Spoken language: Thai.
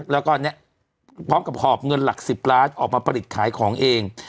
แล้วก็เนี่ยพร้อมกับหอบเงินหลัก๑๐ล้านออกมาผลิตขายของเอง